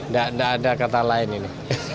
tidak ada kata lain ini